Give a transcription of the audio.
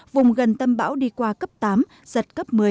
vùng gần tâm bão đi qua cấp tám giật cấp một mươi